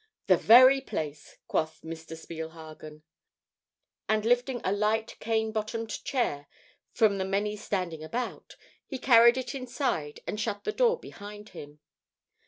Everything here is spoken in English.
"The very place," quoth Mr. Spielhagen, and lifting a light cane bottomed chair from the many standing about, he carried it inside and shut the door behind him.